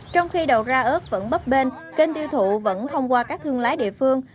trong khi đầu ra ớt vẫn bấp bên kênh tiêu thụ vẫn thông qua các thương lái địa phương